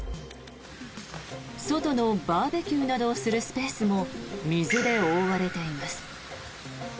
外のバーベキューなどをするスペースも水で覆われています。